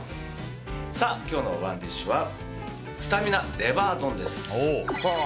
今日のＯｎｅＤｉｓｈはスタミナレバー丼です。